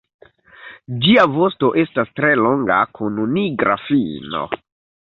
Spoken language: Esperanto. Ĝia vosto estas tre longa kun nigra fino.